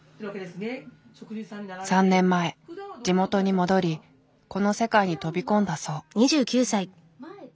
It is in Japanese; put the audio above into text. ３年前地元に戻りこの世界に飛び込んだそう。